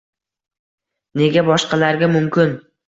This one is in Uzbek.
Nega boshqalarga mumkin?